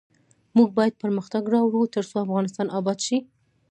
موږ باید پرمختګ راوړو ، ترڅو افغانستان اباد شي.